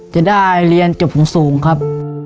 จะได้เรียนเจาะผงสูงครับ